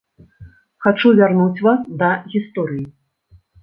Хачу вярнуць вас да гісторыі.